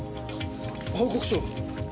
報告書を。